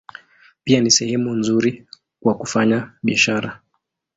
Pia ni sehemu nzuri kwa kufanya biashara.